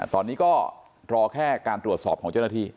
ตอนนี้ก็รอแค่การตรวจสอบของเจ้าหน้าที่